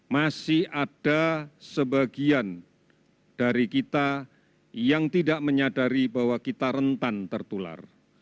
masih ada sebagian dari kita yang tidak menyadari bahwa kita rentan tertular